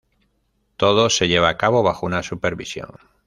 Todo se lleva a cabo bajo una supervisión.